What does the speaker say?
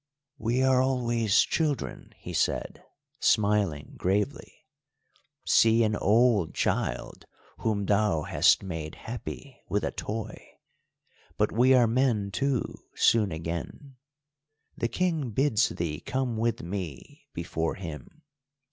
"We are always children," he said, smiling gravely. "See an old child whom thou hast made happy with a toy. But we are men too soon again; the King bids thee come with me before him.